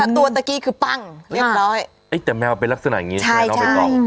ถ้าตัวตะกี้คือปั้งเรียบร้อยเฮ้ยแต่แมวเป็นลักษณะอย่างงี้ใช่ไหม